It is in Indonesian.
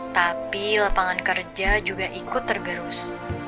tapi lapangan kerja juga ikut tergerus